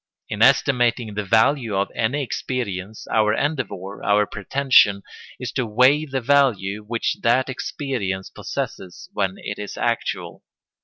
In estimating the value of any experience, our endeavour, our pretension, is to weigh the value which that experience possesses when it is actual.